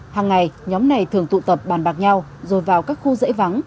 hằng ngày nhóm này thường tụ tập bàn bạc nhau rồi vào các khu rễ vắng